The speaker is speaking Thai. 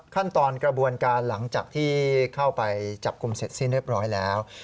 กระบวนการหลังจากที่เข้าไปจับกลุ่มเสร็จสิ้นเรียบร้อยแล้ว